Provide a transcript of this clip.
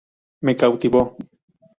Me cautivó.